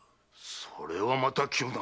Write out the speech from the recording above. それはまた急な。